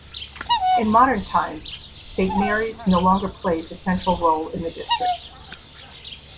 In modern times Saint Mary's no longer plays a central role in the district.